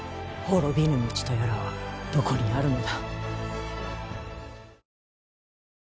滅びぬ道とやらはどこにあるのだ。